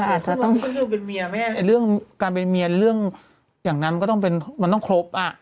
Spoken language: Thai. อ่าจะต้องเรื่องการเป็นเมียเรื่องอย่างนั้นก็ต้องเป็นมันต้องครบ